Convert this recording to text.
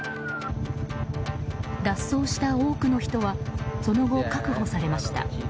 脱走した多くの人はその後、確保されました。